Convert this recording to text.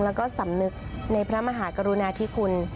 แล้วก็สำนึกในพระมหากรุณาธิคุณ